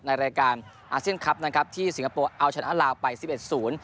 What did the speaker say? ในรายการนะครับที่สิงคโปร์เอาชนะลาวไปสิบเอ็ดศูนย์